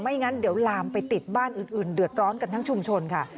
งั้นเดี๋ยวลามไปติดบ้านอื่นเดือดร้อนกันทั้งชุมชนค่ะ